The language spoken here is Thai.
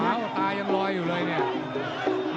โอ้โหแดงโชว์แล้วโชว์อีกเลยเดี๋ยวดูผู้ดอลก่อน